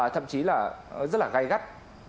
thậm chí là rất là gay gắt